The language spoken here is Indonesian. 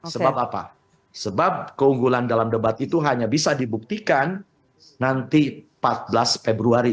sebab apa sebab keunggulan dalam debat itu hanya bisa dibuktikan nanti empat belas februari